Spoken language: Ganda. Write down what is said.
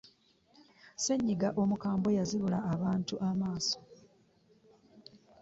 ssenyiga omukambwe yazibula abantu amaaso.